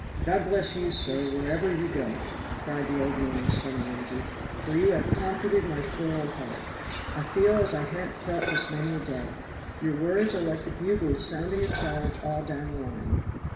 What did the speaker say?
"God bless you, sir, wherever you go!" cried the old man with sudden energy, "for you have comforted my poor old heart. I feel as I han't felt this many a day. Your words are like the bugles sounding a charge all down the line.